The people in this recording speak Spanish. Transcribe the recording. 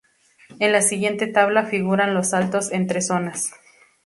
En la siguiente tabla figuran los saltos entre zonas.